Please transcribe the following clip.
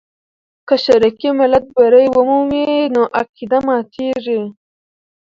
که شرقي ملت بری ومومي، نو عقیده ماتېږي.